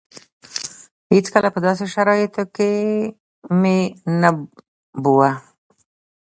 هېڅکله په داسې شرايطو کې مې نه بوه.